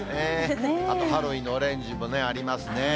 あとハロウィーンのオレンジもありますね。